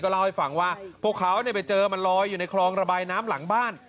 เล่าให้ฟังว่าพวกเขาไปเจอมันลอยอยู่ในคลองระบายน้ำหลังบ้าน